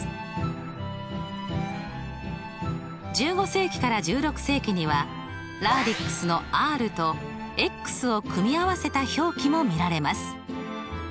１５世紀から１６世紀にはＲａｄｉｘの「Ｒ」と「ｘ」を組み合わせた表記も見られます。